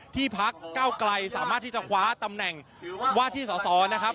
พักเก้าไกลสามารถที่จะคว้าตำแหน่งว่าที่สอสอนะครับ